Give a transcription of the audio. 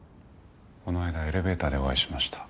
この間エレベーターでお会いしました。